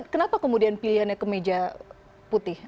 kenapa kemudian pilihannya kemeja putih